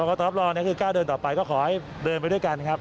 ก็ต้องรอคือกล้าเดินต่อไปก็ขอให้เดินไปด้วยกันครับ